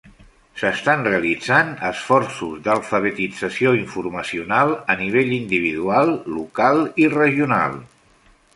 S'estan realitzant esforços d'alfabetització informacional a nivell individual, local i regional.